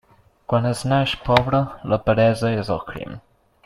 Quan es naix pobre, la peresa és el crim.